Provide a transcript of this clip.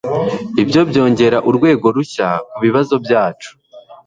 Ibyo byongera urwego rushya kubibazo byacu.